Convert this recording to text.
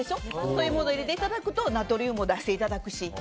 そういうものを入れていただくとナトリウムも出していただくし。